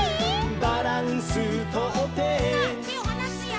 「バランスとって」さあてをはなすよ。